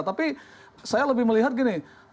tapi saya lebih melihat gini